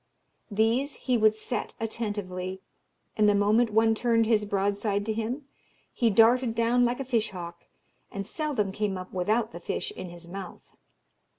These he would 'set' attentively, and the moment one turned his broadside to him, he darted down like a fish hawk, and seldom came up without the fish in his mouth.